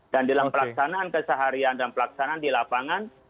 dan dalam pelaksanaan keseharian dan pelaksanaan di lapangan